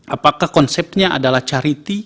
apakah konsepnya adalah charity